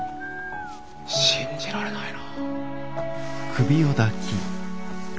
信じられないな。